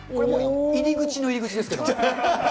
入り口の入り口ですけれども。